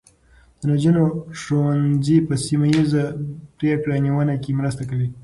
د نجونو ښوونځي په سیمه ایزه پرېکړه نیونه کې مرسته کوي.